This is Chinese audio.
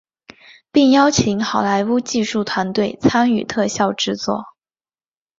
并邀请好莱坞技术团队参与特效制作。